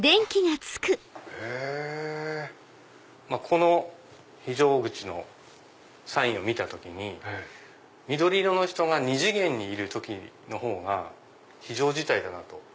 この非常口のサインを見た時に緑色の人が２次元にいるほうが非常事態だなと。